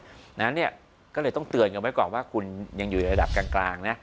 เพราะฉะนั้นเนี่ยก็เลยต้องเตือนกันไว้ก่อนว่าคุณยังอยู่ในระดับกลางนะ